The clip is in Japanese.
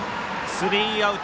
スリーアウト。